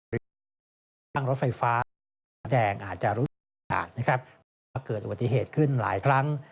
รถไฟฟ้าแดงอาจจะรู้สึกว่าเกิดอุบัติเหตุขึ้นหลายครั้ง